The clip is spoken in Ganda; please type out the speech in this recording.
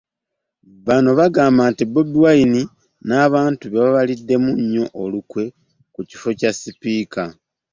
Bano bagamba Bobi Wine n'abantu be baabaliddemu nnyo olukwe ku kifo Kya sipiika.